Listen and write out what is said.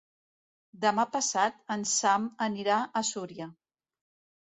Demà passat en Sam anirà a Súria.